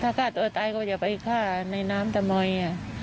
ถ้าฆ่าตัวตายก็อย่าไปฆ่าในน้ำทำไม